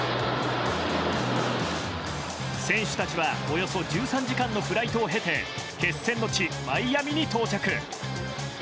選手たちは、およそ１３時間のフライトを経て決戦の地、マイアミに到着。